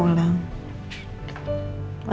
aku akan mencari tahu